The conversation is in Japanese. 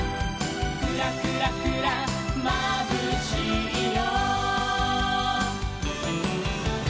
「クラクラクラまぶしいよ」